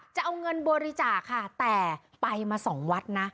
จะเอาเงินบริจาคค่ะแต่ไปมาสองวัดนะ